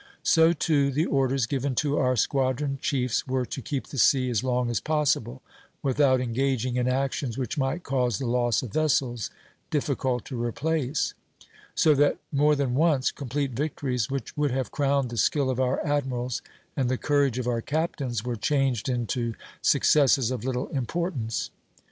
So, too, the orders given to our squadron chiefs were to keep the sea as long as possible, without engaging in actions which might cause the loss of vessels difficult to replace; so that more than once complete victories, which would have crowned the skill of our admirals and the courage of our captains, were changed into successes of little importance.